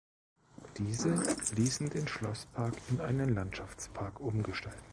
Diese ließen den Schlosspark in einen Landschaftspark umgestalten.